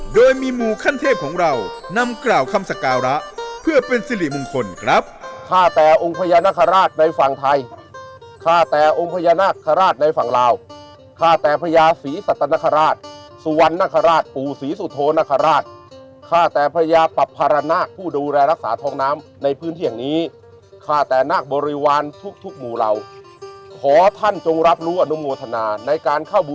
โดยมีหมู่ขั้นเทพของเรานำกล่าวคำสการะเพื่อเป็นสิริมงคลครับ